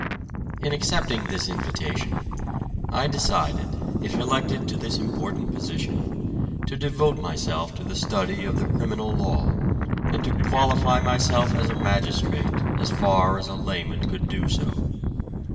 In accepting this invitation, I decided if elected to this important position to devote myself to the study of the criminal law, and to qualify myself as a magistrate, as far as a layman could do so.